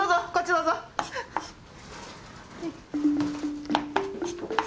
はい。